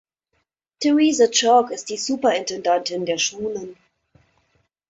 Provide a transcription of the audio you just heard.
Teresa Chaulk ist die Superintendentin der Schulen.